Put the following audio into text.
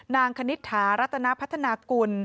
นางคณิตฐารัตนาพัฒนากุล